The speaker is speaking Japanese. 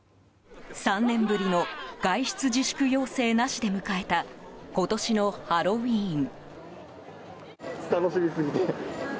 ３年ぶりの外出自粛要請なしで迎えた今年のハロウィーン。